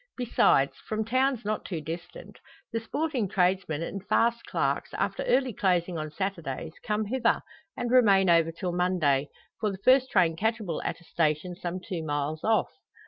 Besides, from towns not too distant, the sporting tradesmen and fast clerks, after early closing on Saturdays, come hither, and remain over till Monday, for the first train catchable at a station some two miles off.